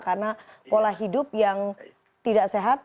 karena pola hidup yang tidak sehat